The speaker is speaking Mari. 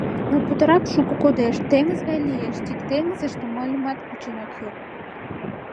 Но путырак шуко «кодеш», теҥыз гай лиеш, тиде теҥызыште мыльымат кучен от керт...